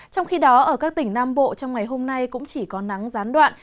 trong khi đó ở các tỉnh nam bộ trong ngày hôm nay cũng chỉ có nắng gián đoạn